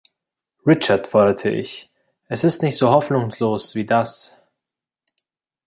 „Richard", forderte ich, „es ist nicht so hoffnungslos wie das?"